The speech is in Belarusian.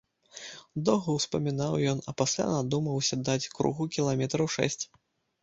Доўга ўспамінаў ён, а пасля надумаўся даць кругу кіламетраў шэсць.